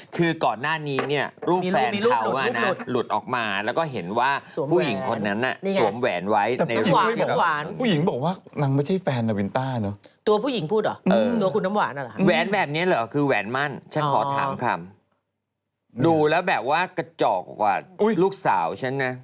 ก็มีลูกที่เขาสวบแหวนแฟนใหม่เขางาน